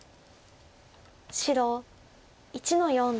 白１の四。